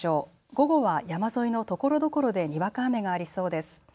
午後は山沿いのところどころでにわか雨がありそうです。